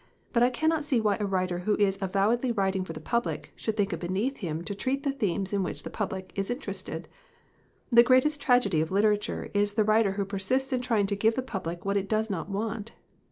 But I cannot see why a writer who is avowedly writing for the public should think it beneath him to treat the themes in which the public is interested. The greatest tragedy of literature is the writer who persists in trying to give the public what it does not want.